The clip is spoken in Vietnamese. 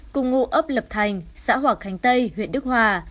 cùng ngụ ấp lập thành xã hòa khánh tây huyện đức hòa